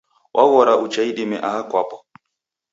Waghora ucha idime aha kwapo